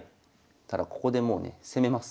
ただここでもうね攻めます。